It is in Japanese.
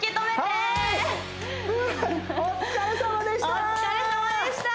はーいお疲れさまでした！